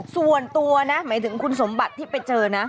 ส่วนตัวนะหมายถึงคุณสมบัติที่ไปเจอนะ